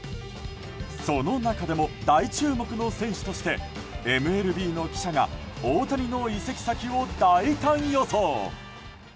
その中でも大注目の選手としてＭＬＢの記者が大谷の移籍先を大胆予想。